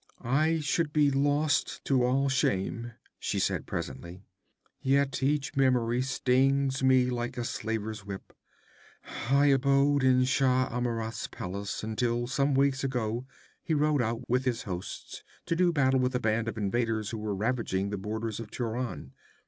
'I should be lost to all shame,' she said presently. 'Yet each memory stings me like a slaver's whip. I abode in Shah Amurath's palace, until some weeks agone he rode out with his hosts to do battle with a band of invaders who were ravaging the borders of Turan.